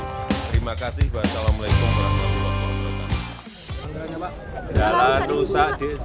terima kasih wassalamualaikum warahmatullahi wabarakatuh